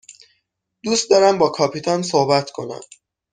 دوست دارم با کاپیتان صحبت کنم.